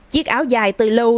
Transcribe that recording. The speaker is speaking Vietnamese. chiếc áo dài từ lâu